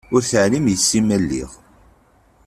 Ur teεlim yess-i ma lliɣ.